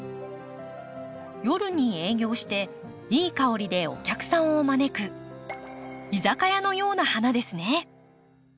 夜に営業していい香りでお客さんを招く居酒屋のような花ですね。